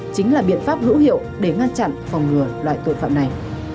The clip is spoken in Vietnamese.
chính là biện pháp hữu hiệu để ngăn chặn phòng ngừa loại tội phạm này